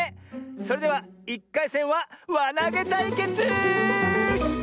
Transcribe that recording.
それでは１かいせんはわなげたいけつ！